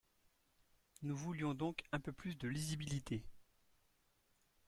Nous voulions donc un peu plus de lisibilité.